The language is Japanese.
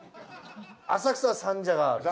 浅草は三社があるし。